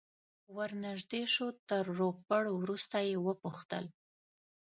ور نژدې شو تر روغبړ وروسته یې وپوښتل.